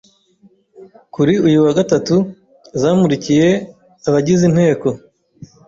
kuri uyu wa gatatu zamurikiye abagize inteko